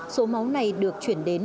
số máu này được chuyển đến